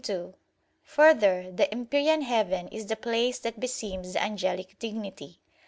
2: Further, the empyrean heaven is the place that beseems the angelic dignity.